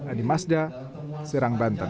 adi masda serang banten